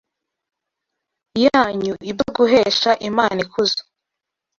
yanyu ibyo guhesha Imana ikuzo